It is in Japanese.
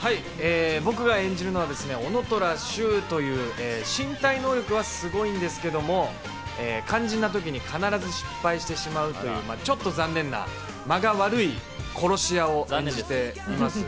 僕が演じるのは男虎柊という、身体能力はすごいんですけれども、肝心な時に必ず失敗してしまう、残念な間が悪い殺し屋を演じています。